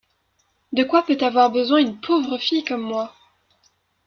De quoi peut avoir besoin une pauvre fille comme moi?